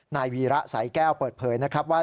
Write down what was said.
นายวีระสายแก้วเปิดเผยนะครับว่า